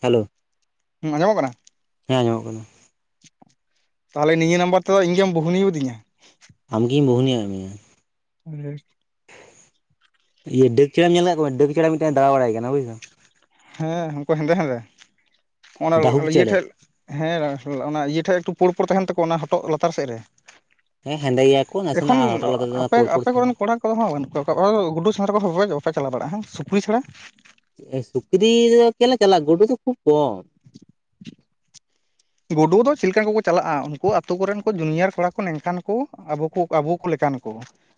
Hello. ᱦᱩᱸ ᱟᱸᱡᱚᱢᱚᱜ ᱠᱟᱱᱟ? ᱦᱮᱸ ᱟᱸᱡᱚᱢᱚᱜ ᱠᱟᱱᱟ᱾ ᱛᱟᱞᱦᱮ ᱱᱤᱭᱟᱹ ᱱᱟᱢᱵᱟᱨ ᱛᱮᱫᱚ ᱤᱧ ᱜᱮᱢ ᱵᱩᱦᱱᱤᱭᱟᱣᱟᱫᱤᱧᱟ? ᱟᱢᱜᱤᱧ ᱵᱩᱦᱱᱤᱭᱟᱜ ᱢᱮᱭᱟ᱾ [inaudible] ᱤᱭᱟᱹ ᱰᱟᱹᱜ ᱪᱮᱬᱮᱢ ᱧᱮᱞ ᱠᱟᱫ ᱠᱚᱣᱟ ᱰᱟᱹᱜ ᱪᱮᱬᱮ ᱢᱤᱫᱴᱮᱱ ᱫᱟᱬᱟ ᱵᱟᱲᱟᱭ ᱠᱟᱱᱟ ᱵᱩᱡᱫᱟᱢ᱾ ᱦᱮᱸ ᱩᱱᱠᱩ ᱦᱮᱸᱫᱮ ᱦᱮᱸᱫᱮ ᱚᱱᱟ ᱰᱟᱹᱦᱩᱠ ᱤᱭᱟᱹ ᱪᱮᱬᱮ ᱴᱷᱮᱡ ᱦᱮᱸ ᱚᱱᱟ ᱤᱭᱟᱹ ᱴᱷᱮᱡ ᱮᱠᱴᱩ ᱯᱳᱲ ᱯᱳᱲ ᱛᱟᱸᱦᱮᱱ ᱛᱟᱠᱚᱣᱟ ᱚᱱᱟ ᱦᱚᱴᱚᱜ ᱞᱟᱛᱟᱨ ᱥᱮᱫ ᱨᱮ? ᱦᱮᱸ ᱦᱮᱸᱫᱮ ᱜᱮᱭᱟ ᱠᱚ ᱮᱠᱷᱚᱱ ᱱᱟᱥᱮᱱᱟᱜ ᱦᱚᱴᱚᱜ ᱞᱟᱛᱟᱨ ᱟᱯᱮ ᱯᱳᱲ ᱯᱳᱲ ᱟᱯᱮ ᱠᱚᱨᱮᱱ ᱥᱟᱺᱦᱤᱡ᱾ ᱠᱚᱲᱟ ᱠᱚᱫᱚ ᱦᱟᱸᱜ ᱵᱟᱹᱱᱩᱜ ᱠᱟᱜ ᱠᱚᱣᱟ ᱜᱩᱰᱩ ᱥᱮᱸᱫᱽᱨᱟ ᱠᱚᱦᱚ ᱵᱟ ᱵᱟᱯᱮ ᱪᱟᱞᱟᱣ ᱵᱟᱲᱟᱜᱼᱟ ᱥᱩᱠᱨᱤ ᱪᱷᱟᱲᱟ ᱥᱩᱠᱨᱤ ᱫᱚ ᱪᱮᱞᱮ ᱪᱟᱞᱟᱜᱼᱟ ᱜᱩᱰᱩ ᱫᱚ ᱠᱷᱩᱵ ᱠᱚᱢ᱾ ᱜᱩᱰᱩ ᱫᱚ ᱪᱮᱫ ᱞᱮᱠᱟᱟᱱ ᱠᱚᱠᱚ ᱪᱟᱞᱟᱜᱼᱟ ᱩᱱᱠᱩ ᱟᱛᱳ ᱠᱚᱨᱮᱱ ᱠᱚ ᱡᱩᱱᱤᱭᱟᱨ ᱠᱚᱲᱟ ᱠᱚ ᱱᱝᱠᱟᱱ ᱠᱚ ᱟᱵᱚ ᱠᱚ ᱟᱵᱩ ᱠᱚ ᱞᱮᱠᱟᱱ ᱠᱚ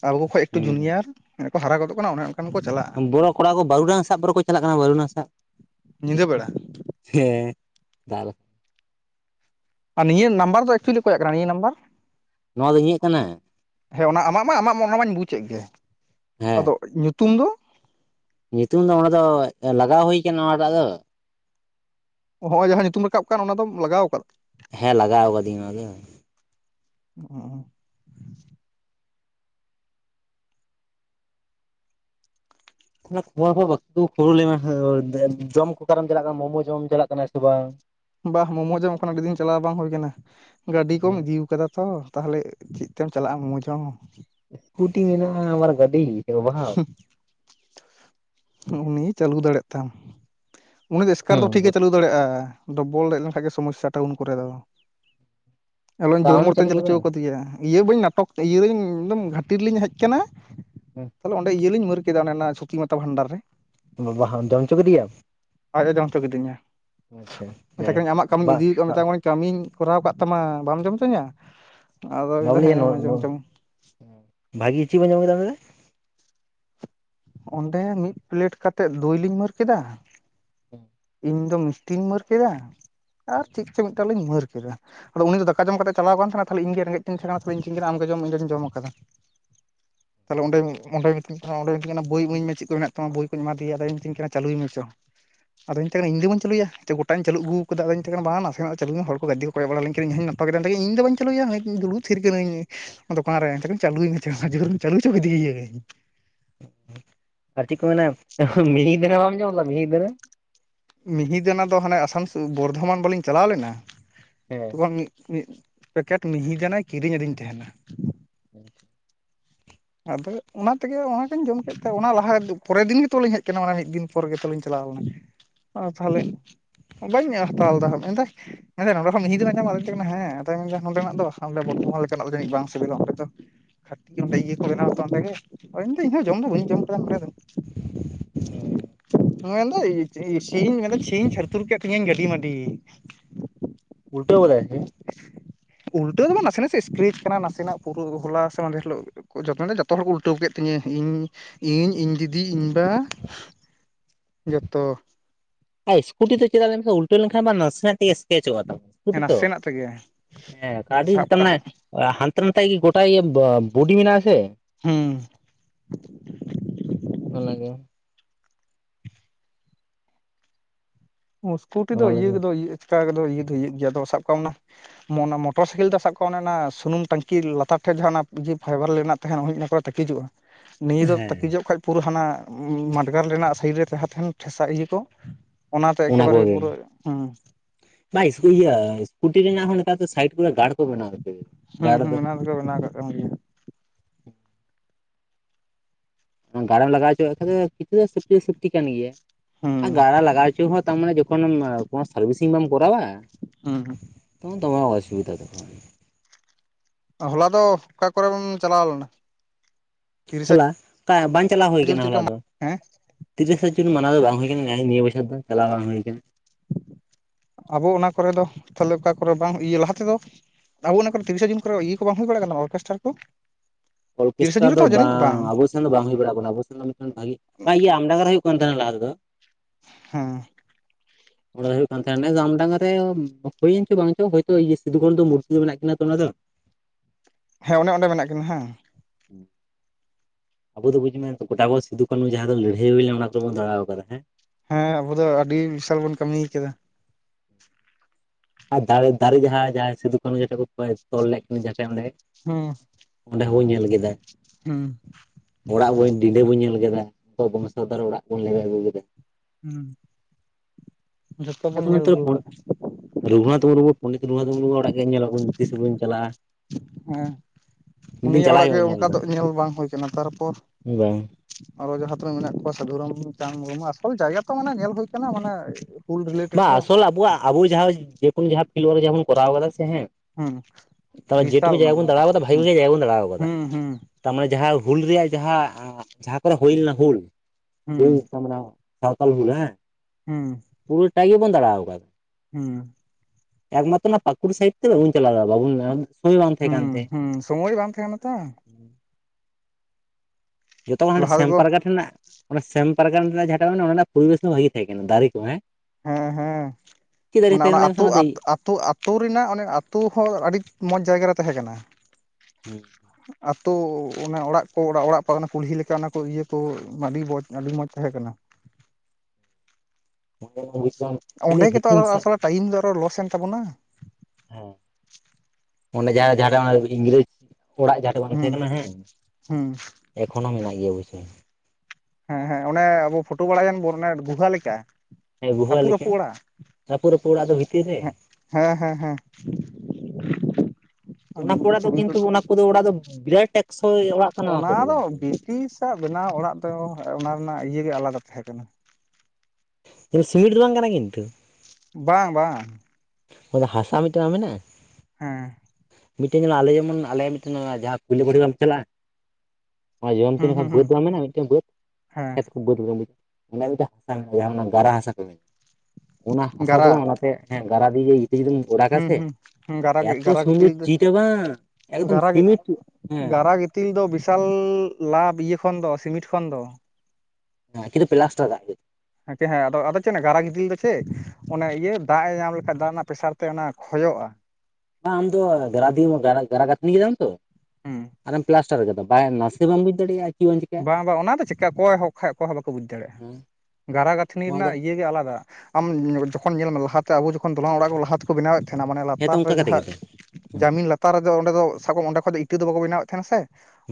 ᱟᱵᱚ ᱠᱷᱚᱡ ᱮᱠᱴᱩ ᱡᱩᱱᱤᱭᱟᱨ ᱱᱮᱜᱼᱮ ᱠᱚ ᱦᱟᱨᱟ ᱜᱚᱫᱚᱜ ᱠᱟᱱᱟ ᱚᱱᱮ ᱚᱱᱠᱟᱱ ᱠᱚ ᱪᱟᱞᱟᱜᱼᱟ᱾ ᱦᱩᱸ ᱵᱚᱲᱚ ᱠᱚᱲᱟ ᱠᱚ ᱵᱟᱹᱨᱩᱰᱟᱝ ᱥᱟᱵ ᱯᱚᱨᱚ ᱠᱚ ᱪᱟᱞᱟᱜ ᱠᱟᱱᱟ ᱵᱟᱹᱨᱩᱰᱟᱝ ᱥᱟᱵ᱾ ᱧᱤᱫᱟᱹ ᱵᱮᱲᱟ? ᱦᱮᱸ ᱫᱟᱞ ᱟᱨ ᱱᱤᱭᱟᱹ ᱱᱟᱢᱵᱟᱨ ᱫᱚ ᱮᱠᱪᱩᱭᱮᱞᱤ ᱚᱠᱚᱭᱟᱜ ᱠᱟᱱᱟ ᱱᱤᱭᱟᱹ ᱱᱟᱢᱵᱟᱨ? ᱱᱚᱣᱟ ᱫᱚ ᱤᱧᱟᱹᱜ ᱠᱟᱱᱟ᱾ ᱦᱮᱸ ᱚᱱᱟ ᱟᱢᱟᱜ ᱢᱟ ᱟᱢᱟᱜ ᱢᱟ ᱚᱱᱟ ᱢᱟᱧ ᱵᱩᱡᱮᱫ ᱜᱮ, ᱦᱮᱸ ᱟᱫᱚ ᱧᱩᱛᱩᱢ ᱫᱚ? ᱧᱩᱛᱩᱢ ᱫᱚ ᱚᱸᱰᱮ ᱫᱚ ᱞᱟᱜᱟᱣ ᱦᱩᱭ ᱠᱟᱱᱟ ᱚᱱᱟᱴᱟᱜ ᱫᱚ᱾ ᱦᱚᱸᱜ-ᱚᱭ ᱡᱟᱦᱟᱸ ᱧᱩᱛᱩᱢ ᱨᱟᱠᱟᱵ ᱠᱟᱱ ᱚᱱᱟ ᱫᱚᱢ ᱞᱟᱜᱟᱣ ᱠᱟᱫᱼᱟ? ᱦᱮᱸ ᱞᱟᱜᱟᱣ ᱟᱠᱟᱫᱤᱧ ᱱᱚᱣᱟᱜᱮ᱾ ᱦᱩᱸ᱾ [unintelligible] ᱵᱟᱠᱤ ᱠᱚ [unintelligible] ᱡᱚᱢ ᱚᱠᱟᱨᱮᱢ ᱪᱟᱞᱟᱜ ᱠᱟᱱᱟ ᱢᱳᱢᱳ ᱡᱚᱢ ᱪᱟᱞᱟᱜ ᱠᱟᱱᱟ ᱥᱮ ᱵᱟᱝ? ᱵᱟᱜ ᱢᱳᱢᱳ ᱡᱚᱢ ᱠᱚ ᱟᱹᱰᱤ ᱫᱤᱱ ᱪᱟᱞᱟᱣ ᱵᱟᱝ ᱦᱩᱭ ᱠᱟᱱᱟ, ᱜᱟᱹᱰᱤ ᱠᱚᱢ ᱤᱫᱤᱠᱟᱫᱟ ᱛᱚ ᱛᱟᱦᱚᱞᱮ ᱪᱮᱫ ᱛᱮᱢ ᱪᱟᱞᱟᱜᱼᱟ ᱢᱳᱢᱳ ᱡᱚᱢ᱾ ᱤᱥᱠᱩᱴᱤ ᱢᱮᱱᱟᱜᱼᱟ, ᱟᱵᱟᱨ ᱜᱟᱹᱰᱤ ᱚᱵᱷᱟᱵᱽ ᱦᱩᱹᱜ ᱩᱱᱤ ᱪᱟᱹᱞᱩ ᱫᱟᱲᱮᱭᱟᱜ ᱛᱟᱢ, ᱩᱱᱤ ᱫᱚ ᱮᱥᱠᱟᱨ ᱫᱚ ᱦᱮᱸ ᱴᱷᱤᱠ ᱜᱮ ᱪᱟᱹᱞᱩ ᱫᱟᱲᱮᱭᱟᱜᱼᱟ ᱰᱚᱵᱚᱞ ᱫᱮᱡ ᱞᱮᱱᱠᱷᱟᱡ ᱜᱮ ᱥᱚᱢᱚᱥᱥᱟ ᱴᱟᱣᱩᱱ ᱠᱚᱨᱮ ᱫᱚ᱾ ᱟᱧᱞᱳᱜ ᱜᱚᱴᱟ ᱡᱳᱨ ᱟᱢ ᱢᱚᱨᱛᱮᱧ ᱪᱟᱹᱞᱩ ᱪᱟᱞ ᱜᱮ ᱦᱚᱪᱚ ᱵᱟᱝ? ᱠᱟᱫᱮᱭᱟ ᱤᱭᱟᱹ ᱵᱟᱹᱧ ᱱᱟᱴᱚᱠ ᱤᱭᱟᱹᱧ ᱮᱠᱫᱚᱢ ᱜᱷᱟᱹᱴᱤ ᱨᱮᱞᱤᱧ ᱦᱮᱡ ᱟᱠᱟᱱᱟ ᱦᱩᱸ ᱛᱟᱦᱚᱞᱮ ᱚᱸᱱᱰᱮ ᱤᱭᱟᱹ ᱞᱤᱧ ᱢᱟᱹᱨ ᱠᱮᱫᱟ ᱚᱱᱟ ᱥᱩᱛᱤ ᱢᱟᱛᱟ ᱵᱷᱟᱱᱰᱟᱨ ᱨᱮ, ᱵᱟᱵᱟᱦ ᱡᱚᱢ ᱦᱚᱪᱚ ᱠᱮᱫᱮᱭᱟᱢ? ᱟᱡ ᱮ ᱡᱚᱢ ᱦᱚᱪᱚ ᱠᱤᱫᱤᱧᱟ, ᱟᱪᱪᱷᱟ ᱢᱮᱛᱟᱭ ᱡᱟᱭᱦᱳᱠ ᱠᱟᱹᱱᱟᱹᱧ ᱟᱢᱟᱜ ᱠᱟᱹᱢᱤᱧ ᱵᱟ ᱤᱫᱤ ᱟᱠᱟᱫ ᱢᱮᱛᱟᱢ ᱠᱟᱱᱟᱧ ᱠᱟᱹᱢᱤᱧ ᱠᱚᱨᱟᱣ ᱠᱟᱜ ᱛᱟᱢᱟ ᱵᱟᱢ ᱡᱚᱢ ᱦᱚᱪᱚᱧᱟ? ᱟᱫᱚᱭ ᱵᱟᱢ ᱢᱮᱱᱫᱟ ᱞᱟᱹᱭ ᱦᱮᱸ ᱱᱚ ᱢᱟ ᱡᱚᱢ ᱱᱩ ᱦᱚᱪᱚ ᱢᱮ ᱵᱷᱟᱜᱤ ᱪᱮᱫ ᱵᱤᱱ ᱡᱚᱢ ᱠᱮᱫᱟ ᱚᱰᱮ? ᱚᱸᱰᱮ ᱢᱤᱫ ᱯᱞᱮᱴ ᱠᱟᱛᱮᱜ ᱫᱳᱭ ᱞᱤᱧ ᱢᱟᱹᱨ ᱠᱮᱫᱟ, ᱦᱩᱸ ᱤᱧ ᱫᱚ ᱢᱤᱥᱴᱤᱧ ᱢᱟᱹᱨ ᱠᱮᱫᱟ ᱟᱨ ᱪᱮᱫ ᱪᱚᱝ ᱢᱤᱫᱴᱟᱝ ᱞᱤᱝ ᱢᱟᱹᱨ ᱠᱮᱫᱟ᱾ ᱟᱫᱚ ᱩᱱᱤ ᱫᱚ ᱫᱟᱠᱟ ᱡᱚᱢ ᱠᱟᱛᱮ ᱪᱟᱞᱟᱣ ᱠᱟᱱ ᱛᱟᱦᱮᱱᱟ ᱛᱟᱦᱚᱞᱮ ᱤᱧ ᱜᱮ ᱨᱮᱜᱮᱡ ᱤᱧ ᱠᱟᱱᱟ ᱛᱚ ᱤᱧ ᱜᱮ ᱢᱮᱛᱟᱧ ᱠᱟᱱᱟ ᱟᱢᱜᱮ ᱡᱚᱢ ᱢᱮ ᱤᱧ ᱫᱩᱧ ᱡᱚᱢ ᱠᱟᱫᱟ᱾ [inaudible] ᱛᱟᱦᱚᱞᱮ ᱚᱸᱱᱰᱮ ᱚᱸᱱᱰᱮ ᱢᱤᱛᱟᱹᱧ ᱠᱟᱱᱟ ᱚᱸᱰᱮ ᱢᱤᱛᱟᱹᱧ ᱤᱧ ᱠᱟᱱᱟ ᱵᱳᱭ ᱤᱢᱟᱧ ᱢᱮ ᱪᱮᱫ ᱠᱚ ᱢᱮᱱᱟᱜ ᱛᱟᱢᱟ ᱵᱳᱭ ᱠᱚᱧ ᱮᱢᱟᱫᱮᱭᱟ ᱟᱫᱚᱭ ᱢᱤᱛᱟᱹ ᱠᱟᱱᱟ ᱪᱟᱹᱞᱩᱭ ᱢᱮ ᱪᱚ᱾ ᱟᱫᱚᱧ ᱢᱮᱛᱟᱭ ᱠᱟᱱᱟ ᱤᱧ ᱫᱚ ᱵᱟᱹᱧ ᱪᱟᱹᱞᱩᱭᱟ ᱜᱚᱴᱟᱧ ᱪᱟᱹᱞ ᱟᱹᱜᱩ ᱟᱠᱟᱫᱟ ᱟᱫᱚ ᱢᱮᱛᱟᱭ ᱠᱟᱱᱟ ᱵᱟᱝ ᱱᱟᱥᱮᱱᱟᱜ ᱪᱟᱹᱞᱩ ᱢᱮ ᱦᱚᱲ ᱠᱚ ᱜᱟᱹᱡᱤ ᱠᱚ ᱠᱚᱭᱚᱜ ᱵᱟᱲᱟ ᱞᱮᱱᱠᱷᱟᱱᱮᱧ ᱱᱟᱯᱟᱭ ᱜᱮ ᱢᱮᱛᱟᱭ ᱠᱟᱱᱟ ᱤᱧᱫᱚ ᱵᱟᱹᱧ ᱪᱟᱹᱞᱩᱭᱟ ᱫᱩᱲᱩᱵ ᱛᱤᱨ ᱠᱟᱹᱱᱟᱹᱧ ᱫᱚᱠᱟᱱ ᱨᱮ ᱮᱱ ᱪᱟᱹᱞᱩᱭ ᱢᱮ ᱚᱱᱟ ᱡᱚᱨᱢᱚᱨ ᱪᱟᱹᱞᱩᱦᱚᱪᱚ ᱠᱮᱫᱮᱭᱟᱹᱧ᱾ ᱟᱨ ᱪᱮᱫ ᱠᱚ ᱢᱮᱱᱟ ᱢᱤᱦᱤᱫᱟᱱᱟ ᱵᱟᱢ ᱡᱚᱢ ᱞᱮᱫᱟ ᱢᱤᱦᱤᱫᱟᱱᱟ᱾ ᱢᱤᱦᱤᱫᱟᱱᱟ ᱫᱚ ᱦᱟᱱᱮ ᱟᱥᱟᱢ ᱵᱚᱨᱫᱷᱚᱢᱟᱱ ᱵᱟᱞᱤᱧ ᱪᱟᱞᱟᱣ ᱞᱮᱱᱟ ᱦᱮᱸ ᱛᱚᱠᱷᱚᱱᱼᱼ ᱯᱮᱠᱮᱴ ᱢᱤᱦᱤᱫᱟᱱᱟ ᱠᱤᱨᱤᱧ ᱟᱹᱫᱤᱧ ᱛᱟᱦᱮᱱᱟ᱾ ᱦᱮᱸ [inaudible] ᱟᱫᱚ ᱚᱱᱟ ᱛᱮᱜᱮ ᱚᱱᱟᱜᱤᱧ ᱡᱚᱢ ᱠᱮᱫ ᱛᱮ ᱚᱱᱟ ᱞᱟᱦᱟ ᱯᱚᱨᱮᱨ ᱫᱤᱱ ᱜᱮᱛᱚᱞᱤᱧ ᱦᱮᱡ ᱠᱟᱱᱟ ᱚᱱᱟ ᱢᱤᱫ ᱫᱤᱱ ᱯᱚᱨ ᱜᱮᱛᱚᱞᱤᱧ ᱪᱟᱞᱟᱣ ᱞᱮᱱᱟ᱾ ᱛᱟᱦᱚᱞᱮ ᱵᱟᱹᱧ ᱦᱟᱛᱟᱣ ᱞᱮᱫᱟ ᱢᱮᱱᱫᱚᱼᱼ ᱢᱮᱱᱫᱟ ᱱᱚᱸᱰᱮ ᱦᱚ ᱢᱤᱦᱤᱫᱟᱱᱟ ᱧᱟᱢᱚᱜ -ᱟ ᱟᱫ ᱢᱮᱛᱟᱭ ᱠᱟᱱᱟ ᱦᱮᱸ ᱱᱚᱰᱮᱱᱟᱜ ᱫᱚ ᱵᱚᱨᱫᱷᱚᱢᱟᱱ ᱞᱮᱠᱟᱱᱟᱜ ᱫᱚ ᱡᱟᱹᱱᱤᱡ ᱵᱟᱝ ᱥᱤᱵᱤᱞᱚᱜ ᱚᱸᱱᱰᱮ ᱫᱚ᱾ ᱠᱷᱟᱴᱤ ᱜᱮᱭᱟ [inaudible] ᱞᱟᱹᱭ ᱫᱟᱧ ᱤᱧ ᱫᱚ ᱤᱧᱦᱚ ᱡᱚᱢ ᱫᱚ ᱵᱟᱹᱧ ᱡᱚᱢ ᱠᱮᱫᱟ ᱚᱸᱰᱮ ᱫᱚ [unintelligible] ᱢᱮᱱᱫᱟ ᱥᱤᱧ ᱢᱮᱱᱫᱟ ᱥᱤᱧ ᱪᱷᱟᱹᱨᱛᱩᱨ ᱠᱮᱫ ᱛᱤᱧᱟᱹᱧ ᱜᱟᱹᱰᱤ ᱢᱟᱹᱰᱤ᱾ ᱩᱞᱴᱟᱹ ᱠᱮᱫᱟᱭ ᱥᱮ? ᱩᱞᱴᱟᱹ ᱫᱚ ᱵᱟᱝ ᱱᱟᱥᱮ ᱱᱟᱥᱮ ᱥᱠᱨᱤᱯ ᱠᱟᱱᱟ ᱱᱟᱥᱮᱱᱟᱜ ᱯᱩᱨᱟᱹ ᱦᱚᱞᱟ ᱥᱮ ᱢᱟᱫᱷᱮᱨ ᱦᱤᱞᱳᱜᱼᱼ ᱡᱚᱛᱚᱱ ᱡᱚᱛᱚ ᱦᱚᱲ ᱠᱚ ᱩᱞᱴᱟᱹᱣ ᱠᱮᱫ ᱛᱤᱧᱟᱹ ᱤᱧ ᱤᱧ ᱫᱤᱫᱤ ᱤᱧ ᱵᱟ ᱡᱷᱚᱛᱚ᱾ ᱟᱨ ᱤᱥᱠᱩᱴᱤ ᱫᱚ ᱪᱮᱫᱟᱜ ᱥᱮ ᱩᱞᱴᱟᱹ ᱞᱮᱱᱠᱷᱟᱱ ᱱᱟᱥᱮᱱᱟᱜ ᱛᱮᱜᱮ ᱥᱠᱮᱡᱚᱜᱼᱟ ᱟᱫᱚ᱾ ᱤᱥᱠᱩᱴᱤ ᱛᱚ ᱱᱟᱥᱮᱱᱟᱜ ᱛᱮᱜᱮ ᱦᱮᱸ ᱜᱟᱹᱰᱤ ᱥᱟᱵ ᱛᱟᱨ ᱠᱟᱜ ᱢᱟᱱᱮᱼᱼ ᱦᱟᱱᱛᱮ ᱱᱟᱛᱮ ᱜᱳᱴᱟ ᱤᱭᱟᱹ ᱵᱩᱰᱤ ᱢᱮᱱᱟᱜ ᱟᱥᱮ ᱦᱩᱸ ᱻ ᱚᱱᱟᱜᱮ᱾ ᱥᱠᱩᱴᱤ ᱫᱚ ᱚᱱᱟ ᱤᱭᱟᱹ ᱞᱟᱹᱜᱤᱫ ᱠᱚᱫᱚ ᱤᱭᱟᱹ ᱪᱤᱠᱟ ᱠᱚᱫᱚ ᱤᱭᱟᱹ ᱫᱚ ᱤᱭᱟᱹ ᱜᱮᱭᱟ ᱟᱫᱚ ᱥᱟᱵ ᱠᱟᱜ ᱢᱮ ᱚᱱᱟᱼᱼ ᱢᱚᱱᱟ ᱢᱚᱴᱚᱨ ᱥᱟᱭᱠᱮᱞ ᱛᱮ ᱥᱟᱵ ᱠᱚᱟᱜ ᱚᱱ ᱚᱱᱟ ᱥᱩᱱᱩᱢ ᱴᱟᱝᱠᱤ ᱞᱟᱛᱟᱨ ᱴᱷᱮᱱ ᱡᱟᱦᱟᱸ ᱚᱱᱟ ᱡᱮ ᱯᱷᱟᱸᱭᱵᱟᱨ ᱨᱮᱱᱟᱜ ᱛᱟᱦᱮᱱ ᱩᱱᱤ ᱚᱱᱟ ᱠᱚᱨᱮ ᱛᱟᱠᱤᱡᱚᱜᱼᱟ᱾ [unintelligible] ᱱᱤᱭᱟᱹ ᱫᱚ ᱦᱮᱸ ᱛᱟᱹᱠᱤᱡᱚᱜ ᱠᱷᱟᱡ ᱯᱩᱨᱟᱹ ᱦᱟᱱᱟ ᱢᱟᱰᱜᱟᱨ ᱨᱮᱱᱟᱜ ᱥᱟᱭᱤᱰ ᱨᱮ ᱛᱟᱦᱮᱸ ᱛᱟᱦᱮᱱ ᱴᱷᱮᱥᱟ ᱤᱭᱟᱹ ᱠᱚ ᱚᱱᱟᱛᱮ ᱮᱠᱮᱵᱟᱨᱮ ᱯᱩᱨᱟᱹ ᱦᱩᱸᱼᱼ ᱵᱟᱭ ᱤᱭᱟᱹ ᱤᱥᱠᱩᱴᱤ ᱨᱮᱱᱟᱜ ᱦᱚᱸ ᱱᱮᱛᱟᱨ ᱫᱚ ᱥᱟᱭᱤᱰ ᱠᱚᱨᱮ ᱜᱟᱲ ᱠᱚ ᱵᱮᱱᱟᱣ ᱟᱨᱠᱤ᱾ ᱦᱩᱸ ᱦᱩᱸ ᱚᱱᱟ ᱫᱚᱠᱚ ᱵᱮᱱᱟᱣ ᱠᱟᱱ ᱜᱤᱭᱟ᱾ ᱚᱱᱟ ᱜᱟᱲᱮᱢ ᱞᱟᱜᱟᱣ ᱪᱩᱣᱟᱜ [unintelligible] ᱠᱤᱪᱷᱩ ᱫᱚ ᱥᱮᱯᱴᱤ ᱥᱮᱯᱴᱤ ᱠᱟᱱ ᱜᱮᱭᱟ᱾ ᱟᱨ ᱦᱩᱸ ᱜᱟᱲᱟ ᱞᱟᱜᱟᱣ ᱪᱩ ᱦᱚᱸ ᱛᱟᱢᱟᱱᱮ ᱡᱚᱠᱷᱚᱱ ᱮᱢ ᱥᱟᱨᱵᱷᱤᱥᱤᱝ ᱵᱟᱢ ᱠᱚᱨᱟᱣᱟ᱾ ᱦᱩᱸ ᱦᱩᱸ ᱫᱚᱢᱮ ᱚᱥᱩᱵᱤᱫᱟ ᱫᱚᱠᱷᱚᱡ᱾ ᱦᱚᱞᱟ ᱫᱚ ᱚᱠᱟ ᱠᱚᱨᱮᱢ ᱪᱟᱞᱟᱣ ᱞᱮᱱᱟ? ᱛᱤᱨᱤᱥᱟ ᱦᱚᱞᱟ ᱠᱟ ᱵᱟᱝ ᱪᱟᱞᱟ ᱦᱳᱭ ᱡᱩᱱ ᱠᱟᱱᱟ ᱪᱮᱫ ᱞᱮᱠᱟ ᱦᱚᱞᱟ ᱫᱚ᱾ ᱦᱮᱸ ᱛᱤᱨᱤᱥᱮ ᱡᱩᱱ ᱢᱟᱱᱟᱣ ᱫᱚ ᱵᱟᱝ ᱦᱩᱭ ᱠᱟᱱᱟ ᱱᱮᱭ ᱱᱤᱭᱟᱹ ᱵᱚᱪᱷᱚᱨ ᱫᱚ ᱪᱟᱞᱟᱣ ᱵᱟᱝ ᱦᱩᱭ ᱠᱟᱱᱟ ᱟᱵᱚ ᱚᱱᱟ ᱠᱚᱨᱮ ᱫᱚ ᱛᱷᱟᱞᱮ ᱚᱠᱟ ᱠᱚᱨᱮ ᱵᱟᱝ ᱤᱭᱟᱹ ᱞᱟᱦᱟ ᱛᱮᱫᱚᱼᱼ ᱟᱵᱚ ᱚᱱᱟ ᱠᱚᱨᱮ ᱛᱤᱨᱤᱥᱟ ᱡᱩᱱ ᱠᱚᱨᱮ ᱤᱭᱟᱹ ᱠᱚ ᱵᱟᱝ ᱦᱩᱭ ᱵᱟᱲᱟᱜ ᱠᱟᱱᱟ ᱚᱨᱠᱮᱥᱴᱟᱨ ᱠᱚ? ᱛᱤᱨᱤᱥᱟ ᱚᱨᱠᱮᱥᱴᱨᱟ ᱡᱩᱱ ᱫᱚ ᱨᱮᱛᱚ ᱡᱟᱹᱱᱤᱡ ᱵᱟᱝ ᱟᱵᱚᱥᱼᱼ ᱥᱮᱱ ᱫᱚ ᱵᱟᱝ ᱦᱩᱭ ᱵᱟᱲᱟᱜ ᱠᱟᱱᱟ ᱟᱵᱚ ᱥᱮᱱ ᱫᱚ ᱵᱷᱟᱜᱤ ᱤᱭᱟᱹ ᱟᱢᱰᱟᱝᱜᱟ ᱨᱮ ᱦᱩᱭᱩᱜ ᱠᱟᱱ ᱛᱟᱦᱮᱱᱟ ᱞᱟᱦᱟ ᱛᱮ ᱫᱚ᱾ ᱦᱩᱸ ᱚᱸᱰᱮ ᱦᱩᱭᱩᱜ ᱠᱟᱱ ᱛᱟᱦᱮᱸᱱᱟ ᱱᱮᱥ ᱫᱚ ᱟᱢᱰᱟᱸᱜᱟ ᱨᱮ ᱦᱩᱭᱮᱱ ᱪᱚ ᱵᱟᱝ ᱪᱚ ᱦᱳᱭᱛᱳ ᱤᱭᱟᱹ ᱥᱤᱫᱩ ᱠᱟᱱᱩ ᱢᱩᱨᱛᱤ ᱫᱚ ᱢᱮᱱᱟᱜ ᱠᱤᱱᱟ ᱛᱚ ᱚᱸᱰᱮ ᱫᱚ᱾ ᱦᱮᱸ ᱚᱱᱮ ᱚᱸᱰᱮ ᱢᱮᱱᱟᱜ ᱠᱤᱱᱟ ᱦᱮ᱾ [unintelligible] ᱟᱵᱚ ᱫᱚ ᱵᱩᱡᱽ ᱢᱮ ᱜᱚᱴᱟ ᱵᱚ ᱥᱤᱫᱩ ᱠᱟᱹᱱᱩ ᱡᱟᱦᱟᱸ ᱫᱚ ᱞᱟᱹᱲᱦᱟᱹᱭ ᱦᱩᱭᱱᱮ ᱚᱱᱟ ᱠᱚᱨᱮᱵᱚᱱ ᱫᱟᱲᱟ ᱠᱟᱫᱟ ᱦᱮᱸ ᱦᱮᱸ ᱟᱵᱚ ᱫᱚ ᱟᱹᱰᱤ ᱵᱤᱥᱟᱞ ᱵᱚᱱ ᱠᱟᱹᱢᱤ ᱠᱟᱫᱟ᱾ ᱟᱨ ᱫᱟᱨᱮ ᱫᱟᱨᱮ ᱡᱟᱦᱟᱸᱭ ᱥᱤᱫᱩ ᱠᱟᱹᱱᱩ ᱡᱮᱴᱩᱠᱩ ᱠᱚ ᱛᱚᱞ ᱞᱮᱫ ᱠᱤᱱᱟ ᱡᱟᱦᱟᱸᱴᱮᱱ ᱚᱸᱰᱮ᱾ ᱦᱩᱸ ᱚᱸᱰᱮ ᱦᱚ ᱵᱚᱱ ᱧᱮᱞ ᱠᱮᱫᱟ᱾ ᱦᱩᱸ᱾ ᱚᱲᱟᱜ ᱵᱟᱹᱧ ᱰᱤᱸᱰᱟᱹ ᱵᱟᱹᱧ ᱧᱮᱞ ᱠᱮᱫᱟ᱾ ᱚᱠᱚᱭ ᱵᱚᱝᱥᱚᱫᱷᱚᱨ ᱚᱲᱟᱜ ᱠᱚ ᱞᱟᱹᱭᱟ ᱡᱮ [unintelligible] ᱦᱩᱸ ᱡᱚᱛᱚ ᱵᱚᱱ ᱮᱠᱷᱚᱱᱳ ᱧᱮᱞ ᱟᱹᱜᱩ ᱛᱟᱨᱯᱚᱨ, ᱠᱟᱫᱟ ᱨᱚᱜᱷᱩᱱᱟᱛᱷ ᱢᱩᱨᱢᱩ ᱯᱚᱱᱰᱤᱛ ᱨᱚᱜᱷᱩᱱᱟᱛᱷ ᱢᱩᱨᱢᱩᱣᱟᱜ ᱚᱲᱟᱜ ᱜᱮ ᱧᱮᱞᱚᱜ ᱵᱚᱱ ᱛᱤᱥ ᱵᱚᱱ ᱪᱟᱞᱟᱜ-ᱟ? ᱦᱮᱸ ᱩᱱᱤᱭᱟᱜ ᱚᱲᱟᱜ ᱜᱮ ᱚᱝᱠᱟ ᱫᱚ ᱧᱮᱞ ᱵᱟᱝ ᱦᱩᱭ ᱠᱟᱱᱟ ᱛᱟᱨᱯᱚᱨ ᱵᱟᱝ ᱟᱨᱚ ᱡᱟᱦᱟᱸ ᱛᱤᱱᱟᱹᱜ ᱢᱮᱱᱟᱜ ᱠᱚᱣᱟ ᱥᱟᱹᱫᱷᱩ ᱨᱟᱢᱪᱟᱸᱫᱽ ᱢᱩᱨᱢᱩ ᱟᱥᱚᱞ ᱡᱟᱭᱜᱟ ᱛᱮ ᱢᱟᱱᱮ ᱧᱮᱞ ᱦᱩᱭ ᱠᱟᱱᱟ ᱢᱟᱱᱮ ᱦᱩᱞ ᱨᱤᱞᱮᱴᱮᱰ ᱵᱟ ᱫᱚ ᱟᱥᱚᱞ ᱟᱵᱚᱣᱟᱜ ᱟᱵᱚ ᱡᱟᱦᱟᱸ ᱡᱮᱠᱳᱱᱳ ᱡᱟᱦᱟᱸ ᱯᱷᱤᱞᱣᱟᱹᱨ ᱡᱟᱦᱟᱸ ᱵᱚᱱ ᱠᱚᱨᱟᱣ ᱠᱟᱫᱟ ᱥᱮ ᱦᱮᱸ᱾ ᱦᱩᱸ ᱛᱚ, ᱵᱤᱥᱟᱞ ᱡᱮᱴᱩᱠᱩ ᱚᱱᱟ ᱡᱟᱭᱜᱟ ᱫᱚ ᱵᱚᱱ ᱚᱱᱠᱟ ᱫᱟᱬᱟᱣ ᱠᱚ ᱠᱟᱫᱟ ᱵᱷᱟᱜᱤ ᱦᱩᱸ ᱜᱮ ᱡᱟᱭᱜᱟ ᱵᱚᱱ ᱫᱟᱬᱟᱣ ᱠᱟᱫᱟ᱾ ᱦᱩᱸ ᱦᱩᱸ ᱛᱟᱨᱢᱟᱱᱮ ᱡᱟᱦᱟᱸ ᱦᱩᱞ ᱨᱮᱭᱟᱜ ᱡᱟᱦᱟᱸ ᱡᱟᱦᱟᱸ ᱠᱚᱨᱮ ᱦᱩᱭ ᱞᱮᱱᱟ ᱦᱩᱞ, ᱦᱩ ᱦᱩᱸ ᱪᱮᱫ ᱠᱚ ᱢᱮᱱᱟ ᱥᱟᱶᱛᱟᱞ ᱦᱩᱞ ᱦᱮᱸ ᱦᱩᱸ ᱯᱩᱨᱟᱹᱴᱟ ᱜᱮᱵᱚᱱ ᱫᱟᱬᱟᱣ ᱠᱟᱫᱟ᱾ ᱦᱩᱸ᱾ ᱮᱠᱢᱟᱛᱨᱚ ᱚᱱᱟ ᱯᱟᱠᱩᱲ ᱥᱟᱭᱤᱰ ᱛᱮ ᱵᱟᱵᱩᱱ ᱪᱟᱞᱟᱣ ᱵᱟᱵᱩᱱ ᱥᱚᱢᱚᱭ ᱵᱟᱝ ᱛᱟᱦᱮᱸ ᱦᱩᱸ ᱠᱟᱱᱛᱮ᱾ ᱦᱩᱸ, ᱥᱚᱢᱚᱭ ᱜᱮ ᱵᱟᱝ ᱛᱟᱦᱮᱸᱠᱟᱱᱟ᱾ ᱦᱮᱸ ᱡᱚᱛᱚ ᱠᱷᱚᱱ ᱦᱟᱸᱰᱮ ᱞᱟᱦᱟ ᱥᱮᱢ ᱛᱮᱫᱚ ᱯᱟᱨᱜᱟᱱᱟ ᱴᱷᱮᱱᱟᱜ ᱚᱱᱟ ᱥᱮᱢ ᱯᱟᱨᱜᱟᱱᱟ ᱴᱷᱮᱱᱟᱜ ᱡᱟᱦᱟᱸᱴᱟᱜ ᱢᱮᱱᱟᱜ-ᱟ ᱚᱱᱟ ᱨᱮᱱᱟᱜ ᱯᱚᱨᱤᱵᱮᱥ ᱦᱚᱸ ᱵᱷᱟᱜᱤ ᱛᱟᱦᱮᱸ ᱠᱟᱱᱟ ᱫᱟᱨᱮ ᱠᱚ ᱦᱮᱸ᱾ ᱦᱮᱸ ᱦᱮᱸ ᱪᱮᱜ ᱫᱟᱨᱮ ᱛᱟᱦᱮᱸ ᱠᱟᱱᱟ ᱞᱟᱹᱭ ᱢᱮ ᱥᱮ ᱚᱱᱟ ᱫᱟᱹᱭ ᱛᱚ, ᱟᱹᱛᱳ ᱨᱮᱱᱟᱜ ᱚᱱᱮ ᱟᱹᱛᱳ ᱦᱚᱸ ᱟᱹᱰᱤ ᱢᱚᱡᱽ ᱡᱟᱭᱜᱟᱨᱮ ᱛᱟᱦᱮᱸ ᱠᱟᱱᱟ ᱟᱫ ᱛᱚ, ᱚᱱᱟ ᱚᱲᱟᱜ ᱠᱚ ᱚᱲᱟᱜ ᱚᱲᱟᱜ ᱯᱟᱨᱜᱟᱱᱟ ᱠᱩᱞᱦᱤ ᱞᱮᱠᱟ ᱚᱱᱟ ᱠᱚ ᱤᱭᱟᱹ ᱠᱚ ᱟᱹᱰᱤ ᱢᱚᱡᱽ ᱟᱹᱰᱤ ᱢᱚᱸᱡᱽ ᱛᱟᱦᱮᱸ ᱠᱟᱱᱟ᱾ [unintelligible] ᱵᱩᱡ ᱫᱟᱢ ᱚᱸᱰᱮ ᱜᱮᱛᱚ ᱟᱨ ᱟᱥᱚᱞᱮ ᱴᱟᱭᱤᱢ ᱫᱚ ᱟᱨᱚ ᱞᱚᱥᱮᱱ ᱛᱟᱵᱚᱱᱟ᱾ ᱦᱩᱸ, ᱚᱱᱮ ᱡᱟᱦᱟᱸ ᱡᱟᱦᱟᱸᱴᱟᱜ ᱤᱝᱨᱮᱹᱡᱽ ᱚᱲᱟᱜ ᱡᱟᱦᱟᱸᱴᱷᱮᱱ ᱵᱟᱝ ᱛᱟᱦᱮᱸ ᱦᱩᱸ ᱠᱟᱱᱟ ᱦᱮᱸ ᱦᱩᱸ ᱮᱠᱷᱚᱱᱚ ᱢᱮᱱᱟᱜ ᱜᱮᱭᱟ ᱵᱩᱡᱷᱟᱹᱣ᱾ ᱦᱮᱸ ᱦᱮᱸ ᱚᱱᱮ ᱟᱵᱚ ᱯᱷᱳᱴᱳ ᱵᱟᱲᱟᱭᱮᱱ ᱵᱚᱱ ᱚᱱᱮ ᱜᱩᱦᱟ ᱞᱮᱠᱟ᱾ ᱦᱮᱸ ᱜᱩᱦᱟᱹ ᱨᱟᱹᱯᱩᱫ ᱞᱮᱠᱟ ᱨᱟᱹᱯᱩᱫ ᱚᱲᱟᱜ ᱨᱟᱹᱯᱩᱫ ᱨᱟᱹᱯᱩᱫ ᱚᱲᱟᱜ ᱫᱚ ᱵᱷᱤᱛᱤᱨ ᱨᱮ᱾ [inaudible] ᱦᱮᱸ ᱦᱮᱸ ᱦᱮᱸ ᱦᱮᱸ ᱚᱱᱟ ᱠᱚ ᱚᱲᱟᱜ ᱫᱚ ᱪᱷᱚᱵᱤ ᱠᱤᱱᱛᱩ ᱚᱱᱟ ᱠᱚᱫᱚ ᱚᱲᱟᱜ ᱫᱚ ᱵᱤᱨᱟᱴ ᱮᱠᱥᱚᱭ ᱚᱲᱟᱜ ᱠᱟᱱᱟ ᱚᱱᱟ ᱠᱚᱫᱚ ᱠᱤᱱᱛᱩ᱾ ᱛᱤᱥᱟᱜ ᱵᱮᱱᱟᱣ ᱚᱲᱟᱜ ᱫᱚ ᱚᱱᱟ ᱨᱮᱱᱟᱜ ᱤᱭᱟᱹ ᱜᱮ ᱟᱞᱟᱫᱟ ᱛᱟᱦᱮᱸ ᱠᱟᱱᱟ᱾ ᱥᱤᱢᱮᱱᱴ ᱫᱚ ᱵᱟᱝ ᱠᱟᱱᱟ ᱠᱤᱱᱛᱩ᱾ ᱵᱟᱝ ᱵᱟᱝ᱾ ᱚᱱᱟᱫᱚ ᱦᱟᱥᱟ ᱢᱤᱫᱴᱮᱱ ᱵᱟᱝ ᱢᱮᱱᱟᱜ-ᱟ᱾ ᱦᱮᱸ᱾ ᱢᱤᱫᱴᱮᱱ ᱟᱞᱮ ᱡᱮᱢᱚᱱ ᱟᱞᱮ ᱢᱤᱫᱴᱮᱱ ᱡᱟᱦᱟᱸ ᱯᱳᱭᱞᱳ ᱵᱷᱟᱹᱴᱤ ᱵᱟᱢ ᱪᱟᱞᱟᱜ-ᱟ? ᱡᱚᱡᱚᱢ ᱛᱤ ᱦᱩᱸ ᱱᱟᱠᱷᱟ ᱦᱩᱸ ᱦᱩᱸ ᱵᱟᱹᱫᱽ ᱵᱟᱝ ᱢᱮᱱᱟᱜ-ᱟ ᱢᱤᱫᱴᱮᱱ ᱵᱟᱹᱫᱽ ᱦᱮᱸ ᱠᱷᱮᱛ? ᱵᱟᱹᱛ [unintelligible] ᱢᱤᱫᱴᱟᱝ ᱦᱟ ᱢᱮᱱᱟᱜ-ᱟ ᱡᱟᱦᱟᱸ ᱚᱱᱟ ᱜᱟᱨᱟ ᱦᱟᱥᱟ ᱠᱚ ᱢᱮᱱᱟᱜ-ᱟ᱾ ᱚᱱᱟ ᱦᱟᱥᱟ ᱫᱚ ᱜᱟᱨᱟ ᱵᱟᱝ ᱚᱱᱟᱛᱮ ᱦᱮᱸ᱾ ᱜᱟᱨᱟ ᱫᱤᱭᱮ ᱡᱩᱫᱤᱢ ᱚᱲᱟᱜᱟ ᱦᱩᱸ ᱥᱮ ᱦᱩᱸ ᱜᱟᱨᱟ ᱮᱛᱚ ᱜᱟᱨᱟ ᱥᱩᱱᱫᱚᱨ ᱜᱤᱛᱤᱞ ᱪᱤᱴᱟ ᱵᱟᱝᱻ ᱮᱠᱫᱚᱢ ᱜᱟᱨᱟ ᱥᱤᱢᱤᱴ ᱦᱮᱸ᱾ ᱜᱟᱨᱟ ᱜᱤᱛᱤᱞ ᱫᱚ ᱵᱤᱥᱟᱞ ᱞᱟᱵᱷ ᱤᱭᱟᱹ ᱠᱷᱚᱱ ᱫᱚ ᱥᱤᱢᱤᱴ ᱠᱷᱚᱱ ᱫᱚ᱾ ᱦᱮᱸ ᱠᱤᱱᱛᱩ ᱯᱞᱟᱥᱴᱟᱨ ᱠᱟᱜ ᱛᱮ᱾ ᱦᱮᱸ, ᱟᱫᱚ, ᱟᱫᱚ ᱪᱮᱫ ᱜᱟᱨᱟ ᱜᱤᱛᱤᱞ ᱫᱚ ᱪᱮᱫ ᱚᱱᱮ ᱤᱭᱟᱹ ᱫᱟᱜ-ᱮ ᱧᱟᱢ ᱞᱮᱠᱟᱱᱡ ᱫᱟᱜ ᱨᱮᱱᱟᱜ ᱯᱮᱥᱟᱨ ᱛᱮ ᱚᱱᱟ ᱠᱷᱚᱡᱚᱜ-ᱟ᱾ ᱵᱟᱝ ᱟᱢ ᱫᱚ ᱜᱟᱨᱟ ᱫᱤᱭᱮᱢ ᱜᱟᱨᱟ ᱜᱟᱛᱷᱱᱤ ᱠᱮᱫᱟᱢ ᱛᱚ? ᱦᱩᱸ ᱟᱨᱮᱢ ᱯᱞᱟᱥᱴᱟᱨ ᱠᱟᱫᱟ ᱵᱟᱝ, ᱱᱟᱥᱮ ᱦᱚᱸ ᱵᱟᱢ ᱵᱩᱡᱽ ᱫᱟᱲᱮᱭᱟᱜ-ᱟ ᱪᱮᱫ ᱮᱢ ᱵᱟᱝ ᱵᱟᱝ ᱚᱱᱟ ᱫᱚ ᱪᱮᱠᱟ ᱚᱠᱚᱭᱟᱜ ᱦᱚᱸ ᱠᱷᱟᱡ ᱚᱠᱚᱭ ᱦᱚᱸ ᱵᱟᱠᱚ ᱵᱩᱡᱽ ᱫᱟᱲᱮᱭᱟᱜ-ᱟ᱾ ᱜᱟᱨᱟ ᱜᱟᱹᱛᱷᱱᱤ ᱱᱚᱣᱟ ᱫᱚ ᱨᱮᱱᱟᱜ ᱤᱭᱟᱹ ᱜᱮ ᱟᱞᱟᱫᱟ᱾ ᱟᱢ ᱡᱚᱠᱷᱚᱱ ᱧᱮᱞ ᱢᱮ ᱞᱟᱦᱟᱛᱮ ᱟᱵᱚ ᱡᱚᱠᱷᱚᱱ ᱫᱚᱞᱟᱱ ᱚᱲᱟᱜ ᱠᱚ ᱞᱟᱦᱟᱛᱮ᱾ ᱠᱚ ᱵᱮᱱᱟᱣᱮᱫ ᱛᱟᱸᱦᱮᱱᱟ ᱢᱟᱱᱮ ᱦᱮᱸᱛᱚ ᱞᱟᱛᱟᱨ ᱚᱱᱠᱟ ᱨᱮ ᱠᱟᱛᱮ ᱡᱟᱦᱟᱸ ᱜᱮᱛᱚ ᱡᱟᱢᱤᱱ ᱞᱟᱛ ᱞᱟᱛᱟᱨ ᱨᱮᱫᱚ ᱚᱸᱰᱮ ᱫᱚ ᱥᱟᱵ ᱠᱟᱜ ᱢᱮ ᱚᱸᱰᱮ ᱠᱷᱚᱠ ᱫᱚ ᱤᱴᱟᱹ ᱫᱚ ᱵᱟᱠᱚ ᱵᱮᱱᱟᱣᱮᱫ ᱛᱟᱸᱦᱮᱱᱟ ᱥᱮ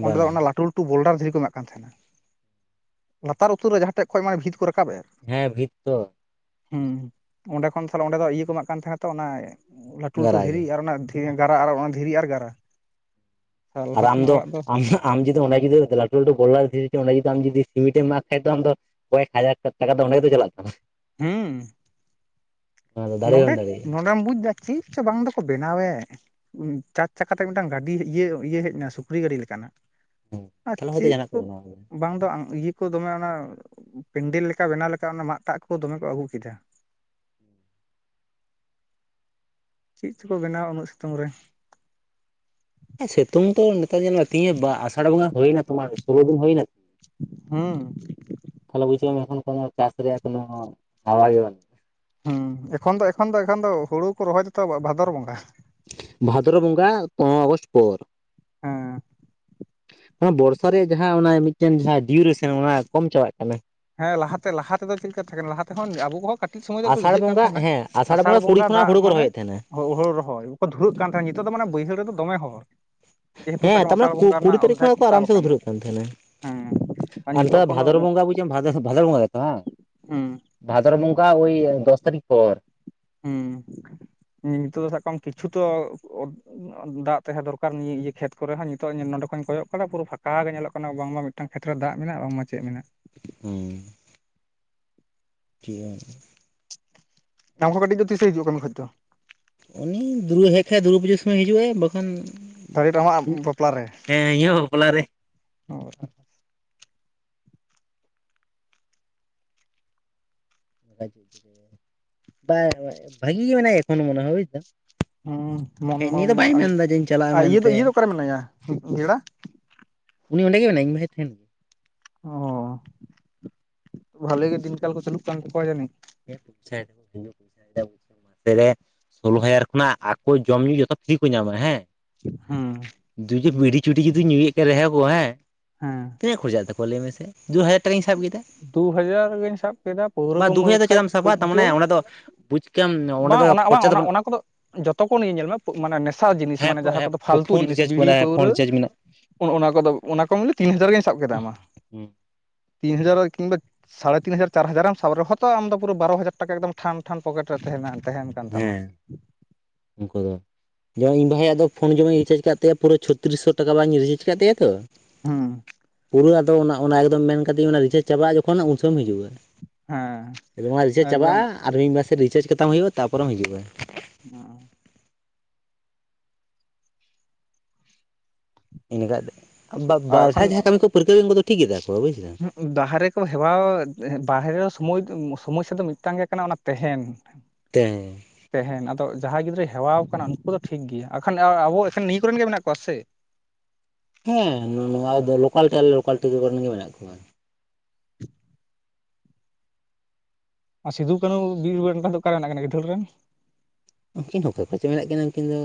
ᱚᱸᱰᱮ ᱵᱟᱝ ᱫᱚ ᱚᱱᱟ ᱞᱟᱴᱩ ᱞᱟᱴᱩ ᱵᱚᱞᱞᱰᱟᱨ ᱫᱷᱤᱨᱤ ᱠᱚ ᱢᱮᱱᱟᱜ ᱠᱟᱱ ᱛᱟᱦᱮᱱᱟ ᱞᱟᱛᱟᱨ ᱩᱛᱩᱨ ᱨᱮ ᱡᱟᱦᱟᱸᱴᱷᱮᱡ ᱠᱷᱚᱱ ᱢᱟᱱᱮ ᱵᱷᱤᱛ ᱠᱚ ᱨᱟᱠᱟᱵ ᱮᱜ ᱾ ᱦᱮᱸ ᱵᱷᱤᱛ ᱛᱚ ᱦᱮᱸ ᱚᱸᱰᱮ ᱠᱷᱚᱱ ᱛᱟᱦᱞᱮ ᱚᱸᱰᱮ ᱫᱚ ᱤᱭᱟᱹ ᱠᱚ ᱮᱢᱟᱜ ᱠᱟᱱ ᱛᱟᱦᱮᱱᱟ ᱛᱚ ᱚᱱᱟ ᱞᱟᱹᱴᱩ ᱞᱟᱹᱴᱩ ᱜᱟᱨᱟ ᱜᱮ ᱫᱷᱤᱨᱤ ᱟᱨ ᱚᱱᱟᱼᱼ ᱜᱟᱨᱟ ᱟᱨ ᱚᱱᱟ ᱫᱷᱤᱨᱤ ᱟᱨ ᱜᱟᱨᱟ ᱟᱨ ᱞᱟᱦᱟ ᱟᱢ ᱛᱮᱱᱟᱜ ᱫᱚ ᱚᱲᱟᱜ ᱟᱢᱟᱜ ᱟᱢ ᱡᱫᱤ ᱚᱱᱟ ᱡᱫᱤ ᱞᱴᱩ ᱞᱟᱹᱴᱩ ᱜᱚᱞᱟᱨ ᱚᱱᱟ ᱡᱫᱤᱢ ᱡᱫᱤ ᱥᱤᱢᱴ ᱮᱢ ᱢᱟᱟᱜ ᱠᱷᱟᱭ ᱛᱚ ᱟᱢ ᱫᱚᱼᱼ ᱠᱚᱭᱮᱠ ᱦᱟᱡᱟᱨ ᱴᱟᱠᱟ ᱫᱚ ᱚᱸᱰᱮ ᱜᱮ ᱫᱚ ᱪᱟᱞᱟᱜ ᱛᱟᱢᱟ? ᱦᱮᱸ ᱚᱱᱟ ᱫᱚ ᱫᱟᱲᱮ ᱱᱚᱰᱮ ᱦᱚᱸᱢ ᱫᱟᱲᱮᱭᱟᱜᱼᱟ ᱱᱚᱰᱮᱢ ᱵᱩᱡᱽ ᱮᱫᱟ ᱪᱮᱫ ᱪ ᱵᱟᱝ ᱫᱚᱠᱚ ᱵᱮᱱᱟᱣᱮᱫ᱾ ᱪᱟᱨ ᱪᱟᱠᱟ ᱠᱟᱛᱮᱜ ᱢᱤᱫᱴᱟᱝ ᱜᱟᱹᱰᱤ ᱤᱭᱟᱹ ᱦᱮᱡ ᱮᱱᱟ ᱥᱩᱠᱨᱤ ᱜᱟᱹᱰᱤ ᱞᱮᱠᱟᱱᱟᱜ᱾ ᱦᱮᱸ ᱛᱟᱦᱚᱞᱮ ᱟᱪᱪᱷ ᱦᱚᱭᱛᱳ ᱡᱟᱦᱟᱱᱟᱜ ᱠᱚ ᱵᱮᱱᱟᱣ ᱜᱮᱭᱟ᱾ ᱵᱟᱝ ᱫᱚ ᱤᱭᱟᱹ ᱠᱚ ᱫᱚᱢᱮ ᱚᱱᱟ ᱯᱮᱱᱰᱮᱞ ᱞᱮᱠᱟ ᱵᱮᱱᱟᱣ ᱞᱮᱠᱟ ᱚᱱᱟ ᱢᱟᱟᱜ ᱫᱟᱜ ᱠᱚ ᱫᱚᱢᱮ ᱠᱚ ᱟᱹᱜᱩ ᱠᱮᱫᱟ᱾ ᱪᱮᱫ ᱪᱠᱚ ᱵᱮᱱᱟᱣᱟ? ᱩᱱᱟᱹᱜ ᱥᱤᱛᱩᱝ ᱨᱮ ᱥᱤᱛᱩᱝ ᱛᱚ ᱱᱮᱛᱟᱨ ᱧᱮᱞᱚᱜᱼᱟ ᱛᱤᱦᱧ ᱟᱥᱟᱲ ᱵᱚᱸᱜᱟ ᱦᱩᱭᱱᱟ ᱛᱳᱢᱟᱨ ᱥᱩᱨᱳ ᱫᱤᱱ ᱦᱩᱭᱱᱟ ᱦᱩᱸᱢ ᱛᱷᱟᱦᱮ ᱵᱩᱡ ᱮᱚᱱ ᱠᱳ ᱪᱟᱥ ᱨᱮᱭᱟᱜ ᱠᱱᱳ ᱦᱣᱟ ᱜᱮᱭᱟ᱾ ᱦᱮᱸ ᱮᱠᱷᱚᱱ ᱫᱚ ᱮᱠᱷᱚᱱ ᱫᱚ ᱮᱠᱷᱚᱱ ᱫᱚ ᱦᱩᱲᱩ ᱠᱚ ᱨᱚᱦᱚᱭ ᱛᱛᱚ ᱵᱷᱟᱫᱚᱨ ᱵᱚᱸᱜᱟ᱾ ᱵᱷᱟᱫᱨ ᱵᱚᱸᱜᱟ ᱯᱚᱱᱨᱚᱭ ᱟᱜᱚᱥᱴ ᱯᱚᱨ, ᱦᱮᱸ᱾ ᱚᱱᱟ ᱵᱚᱨᱥᱟ ᱨᱮᱭᱟᱜ ᱡᱟᱦᱟᱸ ᱚᱱᱟ ᱢᱤᱫᱴᱮᱱ ᱡᱟᱦᱟᱸ ᱰᱤᱭᱩᱨᱮᱥᱚᱱ ᱚᱱᱟ ᱠᱚᱢ ᱪᱟᱵᱟᱜ ᱠᱟᱱᱟ᱾ ᱦᱮᱸ ᱞᱟᱦᱟᱛᱮ ᱞᱟᱦᱟᱮᱫᱚ ᱪᱮᱫᱮᱠᱟ ᱛᱟᱦᱮᱸ ᱠᱟᱱᱟ ᱞᱟᱦᱟ ᱛᱮᱦᱚᱸ ᱟᱵᱚ ᱠᱚᱦ ᱠᱟᱹᱴᱤᱡ ᱥᱚᱢᱚᱭ ᱫᱚ ᱟᱥᱟᱲ ᱮᱴᱩᱷᱟᱹᱜ ᱠᱟᱱ ᱵᱚᱸᱜᱟ ᱛᱟᱦᱮᱱᱟ᱾ ᱦᱮᱸ ᱟᱥᱟᱲ ᱠᱩᱲᱤ ᱵᱚᱸᱜᱟ ᱠᱷᱚᱱᱟᱜ ᱫᱟᱜ ᱦᱩᱲᱩ ᱠᱚ ᱢᱟᱱᱮ? ᱨᱚᱦᱚᱭᱮᱫ ᱛᱟᱦᱮᱱᱟ ᱦᱚ ᱦᱩᱲ ᱨᱚᱦᱚᱭ ᱵᱟᱠᱚ ᱫᱷᱩᱲᱟᱹᱜ ᱠᱟᱱ ᱛᱟᱦᱮᱸᱫ ᱱᱤᱛᱚᱜ ᱫᱚ ᱢᱟᱱᱮ ᱵᱟᱹᱭᱦᱟᱹᱲ ᱨᱮᱫᱚ ᱫᱚᱢᱮ ᱦᱚᱲ᱾ ᱡᱮᱦᱮᱛᱩ ᱦᱮᱸ ᱥᱟᱠᱟᱢ ᱛᱟᱨᱢᱟᱱᱮ ᱟᱥᱟᱲ ᱵᱚᱸᱜᱟ ᱠᱩᱲᱤ ᱨᱮᱱᱟᱜ ᱛᱟᱹᱨᱤᱠᱷ ᱚᱨᱫᱷᱮᱠ ᱠᱷᱚᱱᱟᱜ ᱠᱚ ᱛᱟᱵ ᱟᱨᱟᱢ ᱥᱮ ᱠᱚ ᱟᱠᱟᱱᱟ ᱫᱷᱲᱟᱹᱜ ᱠᱟᱱ ᱛᱟᱦᱮᱱᱟ ᱦᱮᱸ ᱟᱨ ᱱᱤᱛᱟᱨ ᱱᱤᱛᱚᱜ ᱫᱚ ᱵᱷᱟᱫᱚᱨ ᱠᱳᱱᱳ ᱵᱚᱸᱜᱟ ᱵᱩᱡ ᱵᱷᱟᱫᱚᱨ ᱵᱚᱸᱜᱟ ᱜᱮ ᱵᱟᱝ? ᱦᱮᱸ ᱵᱷᱟᱫᱚᱨ ᱵᱚᱸᱜᱟᱠᱟ ᱳᱭ ᱫᱚᱥ ᱛᱟᱨᱤᱠᱷ ᱯᱚᱨ ᱦᱩᱸ ᱱᱤᱛᱚᱜᱜ ᱫᱚ ᱥᱟᱵ ᱠᱟᱜ ᱢᱮ ᱠᱤᱪᱷᱩ ᱛᱚᱼᱼ ᱫᱟᱜ ᱛᱟᱦᱮᱸ ᱫᱚᱨᱠᱟᱨ ᱱᱤᱭᱟᱹᱤᱭᱟᱹ ᱠᱷᱮᱛ ᱠᱚᱨᱮ ᱦᱚᱸᱚᱸ ᱱᱤᱛᱚᱜ ᱱᱚᱸᱰᱮ ᱠᱷᱚᱱᱧ ᱠᱚᱭᱚᱜ ᱠᱟᱫᱟ ᱯᱩᱨᱟᱹ ᱯᱷᱟᱸᱠᱟ ᱜᱮ ᱧᱮᱞᱚᱜ ᱠᱟᱱᱟ ᱵᱟᱝᱢᱟ, ᱢᱤᱫᱴᱟᱝ ᱠᱷᱮᱛᱨᱮ ᱨᱮ ᱫᱟᱜ ᱢᱮᱱᱟᱜᱼᱟ ᱵᱟᱝᱢᱟᱪᱮᱫ ᱢᱮᱱᱟᱜᱼᱟ᱾ ᱦᱩᱸ ᱴ [unintelligible] ᱟᱢ ᱠᱟᱹᱴᱤᱡ ᱫᱚ ᱛᱤᱥᱮ ᱦᱤᱡᱩᱜ ᱟ ᱠᱟ. ᱢᱤ ᱠᱷᱟᱡ ᱫᱚ? ᱩᱱᱤ ᱫᱩᱨᱩᱭᱟᱹ ᱦᱮᱡ ᱠᱷᱟᱡ ᱫᱩᱨᱜᱟᱹ ᱯᱩᱡᱟᱹ ᱥᱚᱢᱚᱭᱮ ᱦᱤᱡᱩᱜᱼᱟ ᱵᱟᱠᱷᱟᱱ ᱛᱟᱨᱮᱴ ᱟᱢᱟᱜ ᱵᱟᱯᱞᱟ ᱼᱼ ᱦᱮᱸ ᱤᱟ. ᱜ ᱵᱟᱯᱞᱟᱨ ᱨᱮ᱾ ᱦᱚ [unintelligible] ᱵᱷᱟᱜᱤ ᱜᱮ ᱢᱮᱱᱟᱭᱟ ᱮᱠᱷᱚᱱ ᱢᱚᱱᱮ ᱦᱚᱸ ᱵᱩᱡᱫᱟ? ᱦᱮᱸ ᱡᱮᱧ ᱪᱟᱞᱟᱜᱼᱟ ᱟᱨ ᱤᱭᱟᱹ ᱫᱚ ᱢᱮᱱᱛᱮ ᱤᱭᱟᱹ ᱫᱚ ᱚᱠᱟᱨᱮ ᱢᱮᱱᱟᱭᱟ ᱵᱮᱲᱟ? ᱩᱱᱤ ᱚᱸᱰᱮ ᱜᱮ ᱢᱮᱱᱟ ᱤᱧ ᱵᱷᱟᱭ ᱴᱷᱮᱱ ᱚ ᱵᱷᱟᱞᱤ ᱜᱮ ᱫᱤᱱᱠᱟᱞ ᱠᱚ ᱪᱟᱞᱩᱜ ᱠᱟᱱ ᱛᱟᱠᱚᱣᱟ ᱡᱟᱱᱤᱡ? ᱦ ᱯᱩᱪ [unintelligible] [inaudible] ᱥᱳᱞᱞᱳ ᱦᱟᱡᱟᱨ ᱠᱷᱚᱱᱟᱜ ᱟᱠᱚ ᱡᱚᱢ ᱧᱩ ᱡᱚᱛᱚ ᱯᱷᱨᱤ ᱠᱚ ᱧᱟᱢᱟ ᱦᱮᱸ ᱦᱮᱸ ᱫᱩᱡᱮ ᱵᱷᱤᱲᱷᱤ ᱪᱩᱴᱤ ᱡᱩᱫᱤ ᱧᱩᱭᱮᱫ ᱠᱟᱱ ᱨᱮᱦᱚᱸ ᱜ ᱦᱮᱸ ᱦᱮᱸ ᱛᱤᱱᱟᱹᱜ ᱠᱷᱚᱨᱪᱟᱜ ᱛᱟᱠᱚᱣᱟ ᱞᱟᱹᱭ ᱢᱮ ᱥᱮ ᱫᱩ ᱦᱟᱡᱟᱨ ᱴᱟᱠᱟᱧ ᱥᱟᱵ ᱠᱮᱫᱟ᱾ ᱫᱩ ᱦᱟᱡᱟᱨ ᱜᱤᱧ ᱥᱟᱵ ᱠᱮᱫᱟ ᱯᱟᱹᱣᱨᱟᱹ ᱵᱟ ᱠᱚ ᱫᱩ ᱢᱟᱹᱨ ᱦᱟᱡᱟᱨ ᱫᱚ ᱪᱮᱫᱟᱜ ᱠᱷᱟᱡ? ᱮᱢ ᱠᱷᱩᱵ ᱥᱟᱵᱟ ᱛᱟᱨᱢᱟᱱᱮ ᱡᱳᱨ ᱚᱸᱰᱮ ᱫᱚ ᱵᱩᱡᱽ ᱠᱮᱟᱢ ᱚᱸᱰᱮ ᱵᱟᱝ ᱫᱚ ᱚᱱᱟ ᱵᱟᱝ ᱠᱷᱚᱨᱪᱟ ᱫᱚ ᱵᱟᱹᱱᱩᱜ ᱚᱱᱟ ᱠᱚᱫᱚ ᱡᱚᱛᱚ ᱠᱚ ᱧᱮ ᱧᱮᱞ ᱢᱮ, ᱢᱟᱱᱮ ᱱᱮᱥᱟ ᱡᱤᱱᱤᱥ ᱦᱮᱸ ᱢᱟᱱᱮ ᱡᱟᱦᱟᱸ ᱦᱮᱸ ᱠᱚᱫᱚ ᱯᱷᱟᱞᱛᱩ ᱯᱷᱳᱱ ᱡᱤᱱᱤᱥ ᱨᱤᱪᱟᱨᱡᱽ ᱠᱚ ᱵᱤᱲᱤ ᱢᱮᱱᱟᱜᱼᱟ ᱯᱷᱳᱱ ᱯᱟᱹᱣᱨᱟᱹ ᱨᱤᱪᱟᱨᱡᱽ ᱢᱮᱱᱟᱜᱼᱟ ᱚᱱᱟ ᱠᱚᱫᱚ ᱚᱱᱟ ᱠᱚ ᱢᱮᱱᱮ ᱛᱤᱱ ᱦᱟᱡᱟᱨ ᱜᱤᱧ ᱥᱟᱵ ᱠᱮᱫᱟ ᱢᱟ ᱛᱤᱱ ᱦᱟᱡᱟᱨ᱾ ᱠᱤᱝᱵᱟ ᱥᱟᱲᱮ ᱛᱤᱱ ᱦᱟᱡᱟᱨ ᱪᱟᱨ ᱦᱟᱡᱟᱨᱮᱢ ᱥᱟᱵ ᱨᱮᱦᱚᱸ ᱛᱚ ᱟᱢ ᱫᱚ ᱯᱩᱨᱟᱹ ᱵᱟᱨᱚ ᱦᱟᱡᱟᱨ ᱴᱟᱠᱟᱠᱫᱚᱢ ᱴᱷᱟᱱᱼᱼ ᱴᱷᱟᱱ ᱯᱚᱠᱮᱴ ᱨᱮ ᱛᱟᱦᱮᱱ ᱠᱟᱱ ᱛᱟᱢᱟ᱾ ᱦᱮᱸ ᱩᱱᱠᱩ ᱫᱚ ᱡᱮ ᱤᱧ ᱵᱷᱟᱭᱟᱜ ᱫᱚ ᱯᱷᱳᱱ ᱡᱮᱢᱚᱱ ᱤᱧ ᱨᱤᱪᱟᱨᱡᱽ ᱠᱟᱜ ᱛᱟᱭᱟ ᱯᱩᱨᱟᱹ ᱪᱷᱚᱛᱨᱤᱥ ᱥᱚ ᱴᱟᱠᱟ ᱨᱮᱭᱟᱜ ᱤᱧ ᱨᱤᱪᱟᱨᱡᱽ ᱠᱟᱫ ᱛᱟᱭᱟ ᱛᱚ ᱦᱩᱸ ᱯᱩᱨᱟᱹ ᱟᱫᱚ ᱚᱱᱟ ᱮᱠᱫᱚᱢ ᱢᱮᱱ ᱠᱟᱫᱮᱭᱟᱹᱧ ᱚᱱᱟ ᱨᱤᱪᱟᱨᱡ ᱪᱟᱵᱟᱜ ᱡᱚᱠᱷᱚᱱ ᱩᱱ ᱥᱚᱢᱚᱭ ᱦᱤᱡᱩᱜ-ᱟ᱾ ᱦᱮᱸ ᱚᱱᱟ ᱨᱤᱪᱟᱨᱡᱽ ᱮᱠᱫᱚᱢ ᱪᱟᱵᱟᱜ-ᱟ ᱟᱨ ᱢᱤᱫ ᱢᱟᱥᱮ ᱨᱤᱪᱟᱨᱡᱽ ᱠᱟᱛᱟᱢ ᱦᱩᱭᱩᱜ-ᱟ ᱛᱟᱨᱯᱚᱨᱮᱢ ᱦᱤᱡᱩᱜ-ᱟ᱾ ᱚ ᱤᱱᱟᱹᱠᱟᱱᱡ [unintelligible] ᱵᱟᱨᱦᱮ ᱮᱠᱷᱚᱱ ᱡᱟᱦᱟᱸᱭ ᱠᱟᱹᱢᱤ ᱠᱚ ᱯᱟᱹᱨᱠᱟᱹᱣ ᱮᱱ ᱫᱚ ᱩᱱᱠᱩ ᱫᱚ ᱴᱷᱤᱠ ᱜᱮ ᱛᱟᱠᱚᱣᱟ ᱵᱩᱡᱫᱟᱢ ᱵᱟᱨᱮ ᱠᱚ ᱦᱮᱣᱟ ᱵᱟᱨᱦᱮ ᱨᱮ ᱥᱚᱢᱚᱭ ᱥᱚᱢᱚᱥᱟ ᱫᱚ ᱢᱤᱫᱴᱟᱝ ᱜᱮ ᱠᱟᱱᱟ ᱚᱱᱟ ᱛᱟᱦᱮᱱ [inaudible] ᱛᱮᱦᱮ ᱛᱟᱦᱮᱱ ᱟᱫᱚ ᱡᱟᱦᱟᱸᱭ ᱜᱤᱫᱽᱨᱟᱹᱭ ᱦᱮᱣᱟ ᱠᱟᱱᱟ ᱩᱱᱠᱩ ᱫᱚ ᱴᱷᱤᱠ ᱜᱮᱭᱟ ᱮᱠᱷᱟᱱ ᱟᱵᱚ ᱮᱠᱷᱮᱱ ᱱᱤᱭᱟᱹ ᱠᱚᱨᱮᱱ ᱜᱮ ᱢᱮᱱᱟᱜ ᱠᱚᱣᱟ ᱥᱮ ᱦᱮᱸ ᱱᱚᱣᱟ ᱫᱚ ᱞᱳᱠᱟᱞᱴᱤ ᱟᱞᱮ ᱞᱳᱠᱟᱞᱴᱤ ᱠᱚᱨᱮᱱ ᱜᱮ ᱢᱮᱱᱟᱜ ᱠᱚᱣᱟ ᱟᱨ ᱥᱤᱫᱩ ᱠᱟᱹᱱᱩ ᱵᱤᱨ ᱫᱚ ᱚᱠᱟᱨ ᱢᱮᱱᱟᱜᱱᱟ ᱜᱟᱹᱤᱫᱷᱟᱹ [unintelligible] ᱨᱮᱱ ᱩᱱᱠᱤᱱ ᱫᱚ ᱚᱠᱟᱭ ᱠᱚ ᱪᱚ ᱢᱮᱱᱟᱜ ᱠᱤᱱᱟ ᱩᱱᱠᱤᱱ ᱫᱚ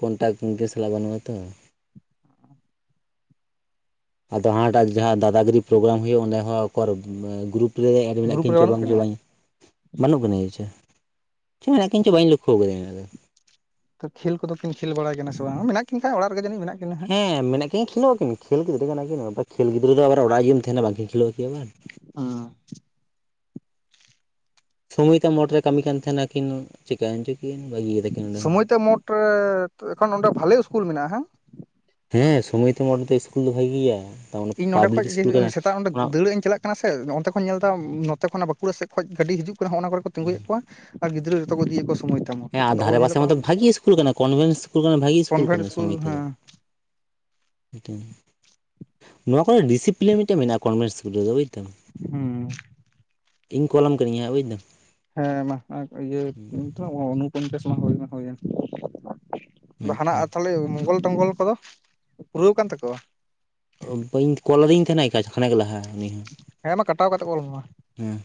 ᱠᱚᱱᱴᱟᱠ ᱜᱮ ᱥᱟᱞᱟᱜ ᱵᱟᱹᱱᱩᱜ-ᱟ ᱛᱚ ᱟᱫᱚ ᱦᱟ ᱴᱟᱜ ᱡᱟᱦᱟᱸ ᱫᱟᱫᱟᱜᱤᱨᱤ ᱯᱨᱳᱜᱨᱟᱢ ᱦᱩᱭᱩᱜ-ᱟ ᱚᱸᱰᱮ ᱦᱚᱸ ᱚᱠᱟᱨ ᱜᱨᱩᱯ ᱨᱮ ᱮᱰ ᱢᱮᱱᱟᱜ ᱜᱨᱩᱯ ᱨᱮ ᱠᱤᱱ ᱪᱚ ᱵᱟᱹᱱᱩᱜ ᱵᱟᱝ ᱪᱚ ᱠᱤᱱᱟ ᱵᱟᱝ ᱵᱟᱹᱱᱩᱜ ᱠᱤᱱᱟ ᱟᱪᱮ ᱪᱮᱫ ᱢᱮᱱᱟᱠᱤᱱᱟ ᱪᱚᱝ ᱵᱟᱹᱧ ᱞᱚᱠᱷᱚ ᱠᱟᱫᱟᱧ ᱚᱱᱟᱫᱚ ᱛᱚ ᱠᱷᱮᱞᱫᱚ ᱠᱤᱱ ᱠᱷᱮᱞ ᱵᱟᱲᱟᱭ ᱠᱟᱱᱟ ᱥᱮ ᱵᱟᱝ ᱢᱮᱱᱟᱜ ᱠᱤᱱ ᱠᱷᱟᱱ ᱚᱲᱟᱜ ᱨᱮ ᱡᱟᱹᱱᱤᱡ ᱢᱮᱱᱟᱜ ᱠᱤᱱᱟ ᱦᱟᱸᱜ ᱦᱮᱸ ᱢᱮᱱᱟᱜ ᱠᱤᱱᱟ ᱠᱷᱮᱞᱳᱜ ᱟᱠᱤᱱ ᱠᱷᱮᱞ ᱜᱤᱫᱽᱨᱟᱹ ᱠᱟᱱᱟ ᱠᱤᱱ ᱟᱵᱟᱨ ᱠᱷᱮᱞ ᱜᱤᱫᱽᱨᱟᱹ ᱫᱚ ᱵᱟᱨ ᱚᱲᱟᱜ ᱨᱮ ᱡᱩᱫᱤᱢ ᱛᱟᱦᱮᱱᱟ ᱵᱟᱝᱠᱤᱱ ᱠᱷᱮᱞᱳᱜ ᱟᱠᱤᱱ ᱟᱵᱟᱨ ᱦᱟᱸ ᱥᱚᱢᱚᱭ ᱛᱟ ᱢᱳᱴ ᱨᱮ ᱠᱟᱹᱢᱤ ᱠᱟᱱ ᱛᱟᱦᱮᱱᱟ ᱠᱤᱱ ᱪᱤᱠᱟᱹᱭᱮᱱ ᱪᱚ ᱠᱤᱱ ᱠᱤ ᱵᱟᱹᱜᱤ ᱠᱮᱫᱟ ᱠᱤᱱ ᱚᱸᱰᱮ ᱦᱚᱸ ᱥᱚᱢᱚᱭ ᱛᱮ ᱢᱳᱴ ᱮᱠᱷᱚᱱ ᱚᱸᱰᱮ ᱵᱷᱟᱞᱮ ᱤᱥᱠᱩᱞ ᱢᱮᱱᱟᱜ-ᱟ᱾ ᱦᱮᱸ ᱥᱳᱢᱚᱭ ᱛᱮ ᱢᱚᱴ ᱫᱚ ᱤᱥᱠᱩᱞ ᱫᱚ ᱵᱷᱟᱜᱮ ᱜᱮᱭᱟ ᱤᱧ ᱱᱚᱸᱰᱮ ᱠᱷᱚᱡ ᱡᱮ ᱥᱮᱛᱟᱜ ᱚᱸᱰᱮ ᱫᱟᱹᱲ ᱤᱧ ᱪᱟᱞᱟᱜ ᱠᱟᱱᱟ ᱠᱟᱱᱟ ᱥᱮ ᱚᱱᱛᱮ ᱠᱷᱚᱱ ᱤᱧ ᱧᱮᱞ ᱮᱫᱟ ᱱᱚᱛᱮ ᱠᱷᱚᱱᱟᱜ ᱵᱟᱸᱠᱩᱲᱟ ᱥᱮᱫ ᱠᱷᱚᱱᱟᱜ ᱜᱟᱹᱰᱤ ᱦᱤᱡᱩᱜ ᱠᱟᱱᱟ ᱱᱚᱜᱼ ᱚᱱᱟ ᱠᱚᱨᱮ ᱠᱚ ᱛᱤᱜᱩᱭᱮᱫ ᱠᱚᱣᱟ ᱟᱨ ᱜᱤᱫᱽᱨᱟᱹ ᱡᱚᱛᱚ ᱠᱚ ᱤᱫᱤᱭᱟᱹ ᱠᱚ ᱥᱚᱢᱚᱭ ᱦᱮᱸ ᱟᱨ ᱫᱷᱟᱨᱮ ᱯᱟᱥᱮ ᱧᱮᱞᱚᱜ ᱠᱟᱱᱟ ᱢᱟᱛᱚ ᱵᱷᱟᱜᱤ ᱤᱥᱠᱩᱞ ᱠᱟᱱᱟ ᱠᱚᱱᱵᱷᱮᱱᱴ ᱤᱥᱠᱩᱞ ᱠᱟᱱᱟ ᱵᱷᱟᱜᱤ ᱤᱥᱠᱩᱞ ᱠᱚᱱᱵᱷᱮᱱᱴ ᱠᱟᱱᱟ ᱮᱥᱠᱩᱞ ᱦᱮᱸ [inaudible] ᱢᱤᱫᱴᱤᱡ ᱱᱚᱣᱟ ᱠᱚᱨᱮ ᱰᱤᱥᱤᱯᱞᱤᱱ ᱢᱤᱫᱴᱮᱱ ᱢᱮᱱᱟᱜ-ᱟ ᱠᱚᱱᱵᱷᱮᱱᱴ ᱤᱥᱠᱩᱞ ᱨᱮᱫᱚ ᱵᱩᱡ ᱫᱟᱢ ᱦᱩᱸ᱾ ᱤᱧ ᱠᱚᱞᱟᱢ ᱠᱟᱱᱤᱧ ᱦᱟᱜ ᱵᱩᱡᱽ ᱫᱟᱢ ᱦᱮᱸ ᱢᱟ ᱤᱭᱟᱹ ᱚᱱᱩᱯᱚᱱᱪᱟᱥ ᱢᱟ ᱦᱩᱭ ᱢᱟ ᱦᱩᱭᱮᱱ᱾ ᱦᱟᱱᱟ ᱢᱤᱫᱴᱮᱱ ᱛᱟᱦᱚᱞᱮ ᱢᱚᱝᱜᱚᱞ ᱴᱚᱝᱜᱚᱞ ᱠᱚᱫᱚ ᱯᱩᱨᱟᱹᱣ ᱠᱟᱱ ᱛᱟᱠᱚᱣᱟ? ᱵᱟᱹᱧ ᱠᱚᱞ ᱟᱫᱤᱧ ᱛᱟᱦᱮᱱᱟ ᱠᱷᱟᱱᱮᱜ ᱞᱟᱦᱟ᱾ ᱦᱮᱸ ᱢᱟ ᱠᱟᱴᱟᱣ ᱠᱟᱛᱮᱫ ᱠᱚᱞ ᱢᱮ ᱢᱟ ᱦᱩᱸ